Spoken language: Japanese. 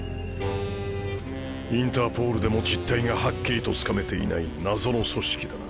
インターポールでも実態がはっきりとつかめていない謎の組織だな。